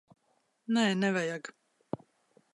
Nē, nevajag.